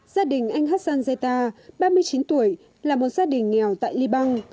gia đình anh hassan zeta ba mươi chín tuổi là một gia đình nghèo tại libang